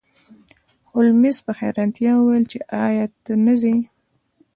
هولمز په حیرانتیا وویل چې ایا ته نه ځې